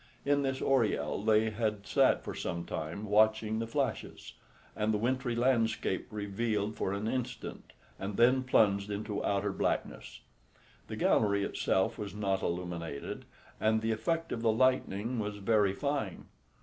In this oriel they had sat for some time watching the flashes, and the wintry landscape revealed for an instant and then plunged into outer blackness. The gallery itself was not illuminated, and the effect of the lightning was very fine.